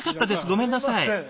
ごめんなさい。